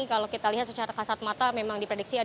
kalau kita lihat secara kasat mata memang diprediksi